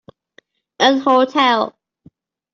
An hotel.